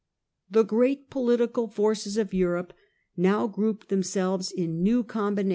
The great political forces of Europe now grouped themselves in new combinations.